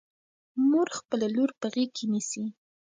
مور خپله لور په غېږ کې نیسي.